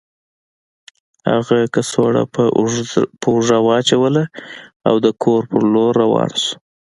هغه کڅوړه په اوږه واچوله او د کور په لور روان شو